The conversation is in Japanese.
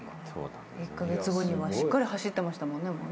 １カ月後にはしっかり走ってましたもんね。